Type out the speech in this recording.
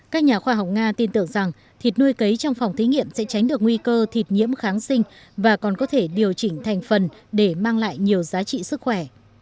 các nhà khoa học nga tin tưởng rằng thịt nuôi cấy trong phòng thí nghiệm sẽ tránh được nguy cơ thịt nhiễm kháng sinh và còn có thể điều chỉnh thành phần để mang lại nhiều giá trị sức khỏe